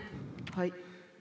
はい。